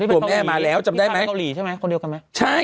ตัวแม่มาแล้วจำได้ไหมเกาหลีใช่ไหมคนเดียวกันไหมใช่